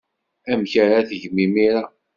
Amek ara tgem imir-a?